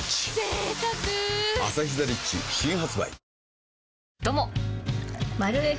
「アサヒザ・リッチ」新発売